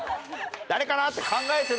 誰かな？って。